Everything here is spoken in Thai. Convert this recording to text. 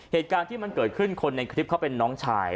เหตุการณ์ที่มันเกิดขึ้นคนในคลิปเขาเป็นน้องชาย